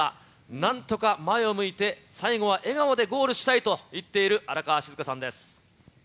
なんとか前を向いて、最後は笑顔でゴールしたいと言っている荒川静香さんです。